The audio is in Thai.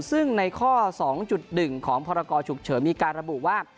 ซึ่งในข้อ๒๑ของพรกรฉุกเฉินมีการระบุว่า